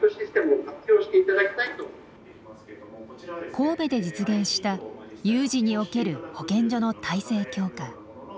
神戸で実現した有事における保健所の体制強化。